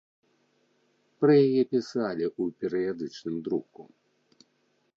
Пра яе пісалі ў перыядычным друку.